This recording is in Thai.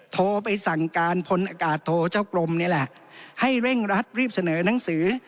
โทรไปสั่งการพลอากาศโทเจ้ากรมนี่แหละให้เร่งรัดรีบเสนอหนังสือ